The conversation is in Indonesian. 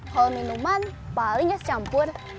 kalau minuman paling ya campur